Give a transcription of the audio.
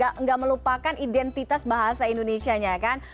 tidak melupakan identitas bahasa indonesia nya kan